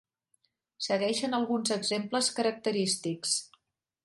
Segueixen alguns exemples característics.